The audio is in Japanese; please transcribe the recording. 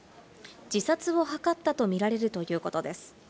自殺を図ったとみられるということです。